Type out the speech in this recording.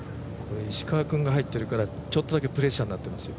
石川君が入ってるからちょっとだけプレッシャーになってますよ。